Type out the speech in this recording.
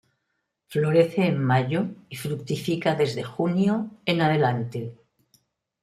Florece en mayo y fructifica desde junio en adelante.